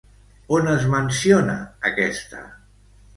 On es menciona aquesta?